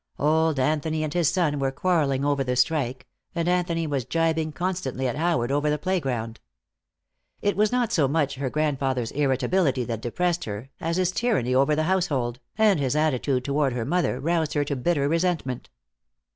Old Anthony and his son were quarreling over the strike, and Anthony was jibing constantly at Howard over the playground. It was not so much her grandfather's irritability that depressed her as his tyranny over the household, and his attitude toward her mother roused her to bitter resentment.